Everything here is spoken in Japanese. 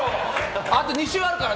あと２週あるからね。